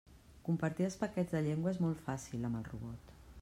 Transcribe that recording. Compartir els paquets de llengua és molt fàcil amb el robot.